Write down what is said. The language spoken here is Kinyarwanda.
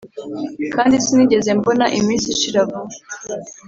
kandi sinigeze mbona iminsi ishira vuba